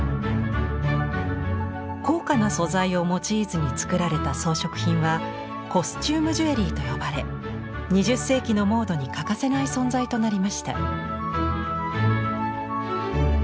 高価な素材を用いずに作られた装飾品は「コスチュームジュエリー」と呼ばれ２０世紀のモードに欠かせない存在となりました。